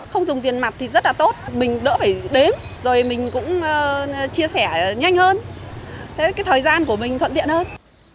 không dùng tiền mặt thì rất là tốt mình đỡ phải đếm rồi mình cũng chia sẻ nhanh hơn thế cái thời gian của mình thuận tiện hơn